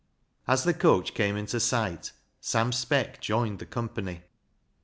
As the coach came into sight, Sam Speck joined the company.